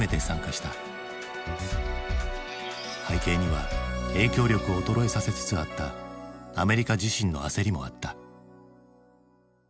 背景には影響力を衰えさせつつあったアメリカ自身の焦りもあった。